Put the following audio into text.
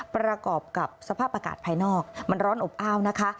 ประกอบกับสภาพอากาศภายนอกมันร้อนอบอ้าวนะคะ